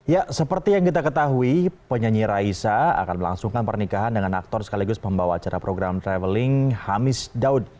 ya seperti yang kita ketahui penyanyi raisa akan melangsungkan pernikahan dengan aktor sekaligus pembawa acara program traveling hamis daud